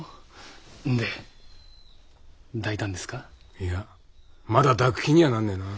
いやまだ抱く気にはなんねえな。